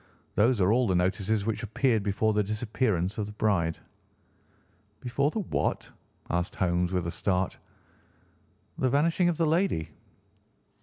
Those are all the notices which appeared before the disappearance of the bride." "Before the what?" asked Holmes with a start. "The vanishing of the lady."